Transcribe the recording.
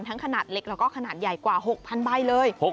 ขนาดเล็กแล้วก็ขนาดใหญ่กว่า๖๐๐ใบเลย